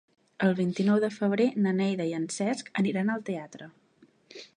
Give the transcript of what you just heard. El vint-i-nou de febrer na Neida i en Cesc aniran al teatre.